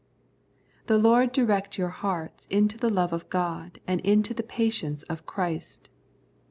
" The Lord direct your hearts into the love of God, and into the patience of Christ."